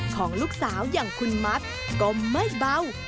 ของลูกสาวอย่างคุณมัดก็ไม่เบา